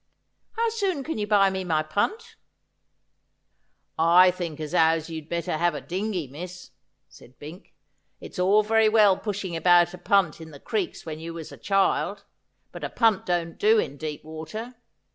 How soon can you buy me my punt ?'' I think as how you'd better have a dingey, miss,' said Bink. ' It was all very well pushing about a punt in the creeks when you was a child, but a punt don't do in deep water.